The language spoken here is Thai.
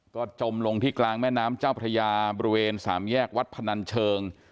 ก็จมลงที่กลางแม่น้ำเจ้าพระยาบริเวณสามแยกวัดพนันเชิง